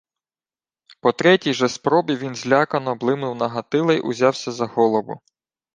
По третій же спробі він злякано блимнув на Гатила й узявся за голову: